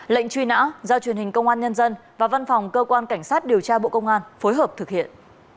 lệnh truy nã do truyền hình công an nhân dân và văn phòng cơ quan cảnh sát điều tra bộ công an phối hợp thực hiện